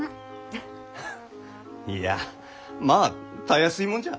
フッいやまあたやすいもんじゃ。